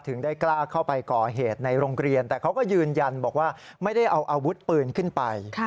ได้กล้าเข้าไปก่อเหตุในโรงเรียนแต่เขาก็ยืนยันบอกว่าไม่ได้เอาอาวุธปืนขึ้นไป